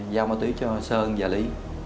giao ma túy cho sơn và lý